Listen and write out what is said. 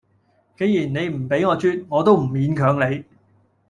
你既然唔畀我啜，我都唔勉強你